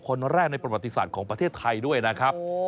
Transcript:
คนแรกในประมาณฑิษัทของประเทศไทยด้วยนะครับ